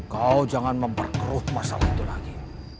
kau jangan memperkeruh masalah itu lagi